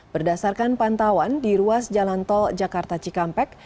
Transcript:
berdasarkan pantauan di ruas jalan tol jakarta cikampek